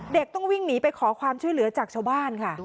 ต้องวิ่งหนีไปขอความช่วยเหลือจากชาวบ้านค่ะ